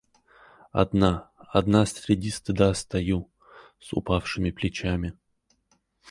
Одна, одна среди стыда Стою с упавшими плечами.